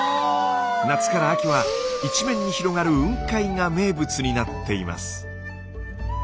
夏から秋は一面に広がる雲海が名物になっています。